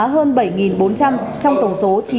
hơn bảy bốn trăm linh trong tổng số chín bốn trăm hai mươi chín